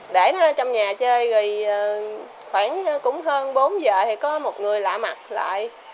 để nó ở trong nhà chơi thì khoảng cũng hơn bốn giờ thì có một người lạ mặt lại